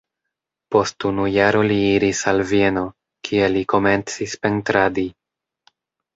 Post unu jaro li iris al Vieno, kie li komencis pentradi.